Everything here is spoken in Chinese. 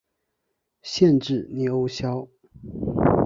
县治尼欧肖。